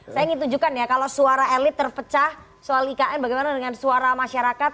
saya ingin tunjukkan ya kalau suara elit terpecah soal ikn bagaimana dengan suara masyarakat